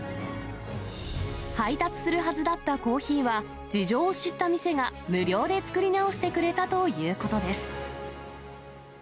配達するはずだったコーヒーは、事情を知った店が無料で作り直してくれたということです。